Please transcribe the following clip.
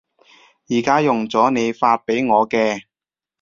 而家用咗你發畀我嘅